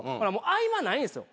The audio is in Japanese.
合間ないんですよ。